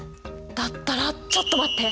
だったらちょっと待って！